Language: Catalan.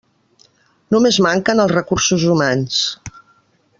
Només manquen els recursos humans.